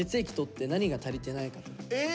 え！